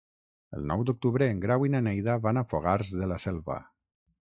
El nou d'octubre en Grau i na Neida van a Fogars de la Selva.